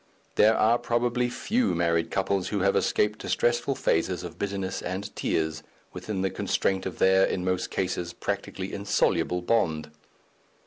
There are probably few married couples who have escaped distressful phases of bitterness and tears, within the constraint of their, in most cases, practically insoluble bond.